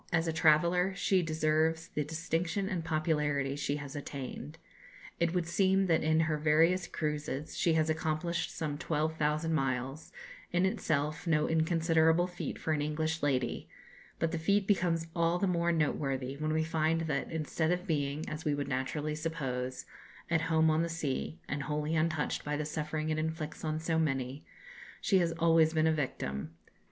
As a traveller she deserves the distinction and popularity she has attained. It would seem that in her various cruises she has accomplished some 12,000 miles in itself no inconsiderable feat for an English lady; but the feat becomes all the more noteworthy when we find that, instead of being, as we would naturally suppose, "at home on the sea," and wholly untouched by the suffering it inflicts on so many, she has always been a victim.